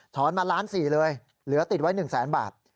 มาล้าน๔เลยเหลือติดไว้๑แสนบาท